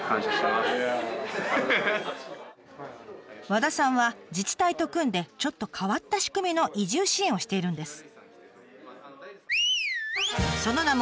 和田さんは自治体と組んでちょっと変わった仕組みの移住支援をしているんです。